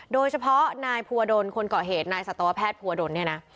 โดยเฉพาะนายภูวดลคนเกาะเหตุนายสัตวแพทย์ภัวดลเนี่ยนะ